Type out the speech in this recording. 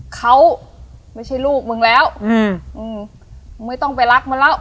เขาไม่ใช่ลูกมึงแล้วอืมมึงไม่ต้องไปรักมันแล้ว